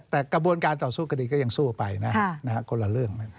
แต่กระบวนการต่อสู้คดีก็ยังสู้ไปนะคนละเรื่อง